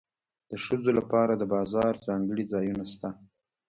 د ښځو لپاره د بازار ځانګړي ځایونه شته